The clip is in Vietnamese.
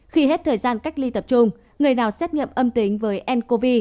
khi hết thời gian cách ly tập trung người nào xét nghiệm âm tính với ncov